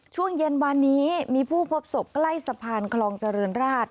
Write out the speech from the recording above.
ช่วงเย็นวานนี้มีผู้พบศพใกล้สะพานคลองเจริญราช